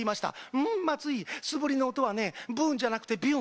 うん、松井、素振りの音はブーンじゃなくビューン。